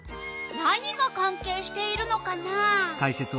何がかんけいしているのかな？